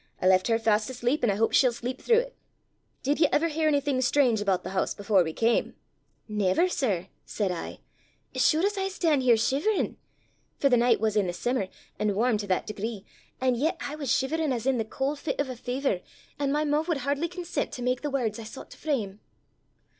I left her fast asleep, and I hope she'll sleep through it. Did you ever hear anything strange about the house before we came?' 'Never, sir,' said I, 'as sure as I stan' here shiverin'!' for the nicht was i' the simmer, an' warm to that degree! an' yet I was shiverin' as i' the cauld fit o' a fivver; an' my moo' wud hardly consent to mak the words I soucht to frame!